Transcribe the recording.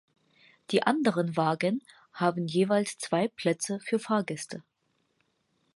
Die anderen Wagen haben jeweils zwei Plätze für Fahrgäste.